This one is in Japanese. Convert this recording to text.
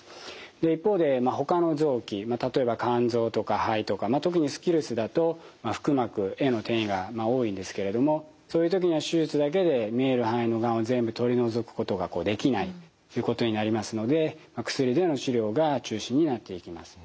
で一方でほかの臓器例えば肝臓とか肺とか特にスキルスだと腹膜への転移が多いんですけれどもそういう時には手術だけで見える範囲のがんを全部取り除くことができないということになりますので薬での治療が中心になっていきます。